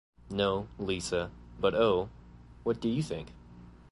No, Lisa, but oh, what do you think?